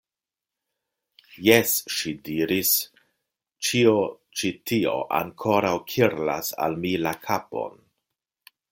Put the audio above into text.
Jes, ŝi diris, ĉio ĉi tio ankoraŭ kirlas al mi la kapon.